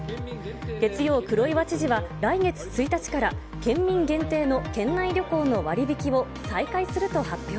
月曜、黒岩知事は、来月１日から、県民限定の県内旅行の割引を再開すると発表。